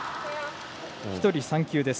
１人３球です。